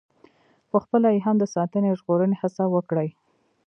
پخپله یې هم د ساتنې او ژغورنې هڅه وکړي.